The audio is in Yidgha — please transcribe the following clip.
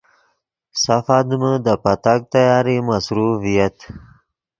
سف آدمے دے پتاک تیاری مصروف ڤییت